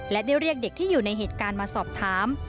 และได้เรียกเด็กที่อยู่ในเหตุการณ์มาสอบถาม